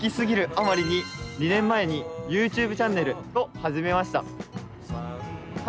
あまりに２年前にＹｏｕＴｕｂｅチャンネルを始めました。